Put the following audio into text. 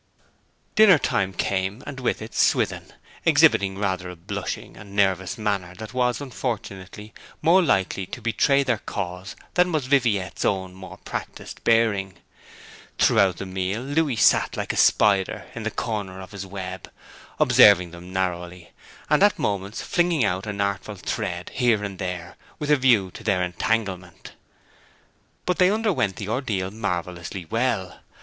Dinner time came and with it Swithin, exhibiting rather a blushing and nervous manner that was, unfortunately, more likely to betray their cause than was Viviette's own more practised bearing. Throughout the meal Louis sat like a spider in the corner of his web, observing them narrowly, and at moments flinging out an artful thread here and there, with a view to their entanglement. But they underwent the ordeal marvellously well.